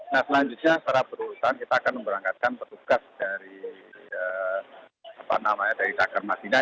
nah selanjutnya setelah perurusan kita akan memberangkatkan petugas dari takar masjidah